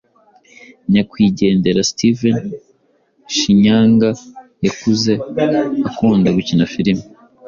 Nyakwigendera Steven Shinyanga yakuze akunda gukina filimi